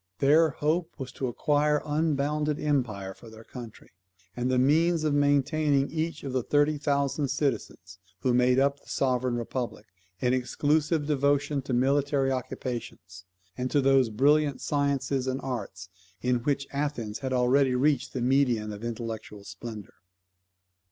Their hope was to acquire unbounded empire for their country, and the means of maintaining each of the thirty thousand citizens who made up the sovereign republic, in exclusive devotion to military occupations, and to those brilliant sciences and arts in which Athens already had reached the meridian of intellectual splendour.